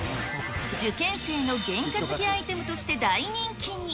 受験生の験担ぎアイテムとして大人気に。